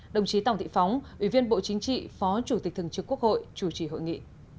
đồng chí tòng thị phóng ủy viên bộ chính trị phó chủ tịch thường trực quốc hội chủ trì hội nghị